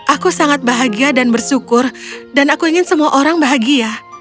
aku sangat bahagia dan bersyukur dan aku ingin semua orang bahagia